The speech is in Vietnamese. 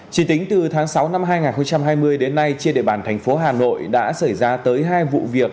chỉ tính từ tháng sáu năm hai nghìn hai mươi đến nay trên địa bàn thành phố hà nội đã xảy ra tới hai vụ việc